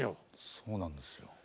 そうなんですよ。